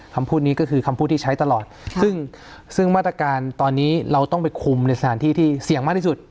คำพูดนี้ก็คือคำพูดที่ใช้ตลอดซึ่งซึ่งมาตรการตอนนี้เราต้องไปคุมในสถานที่ที่เสี่ยงมากที่สุด